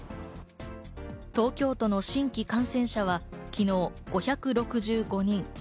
東京都の新規感染者は昨日５６５人。